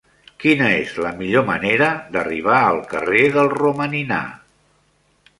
Quina és la millor manera d'arribar al carrer del Romaninar?